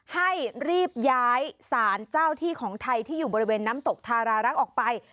ให้รีบย้ายสารเจ้าที่ของไทยที่อยู่บริเวณน้ำตกทารารักษ์ออกไป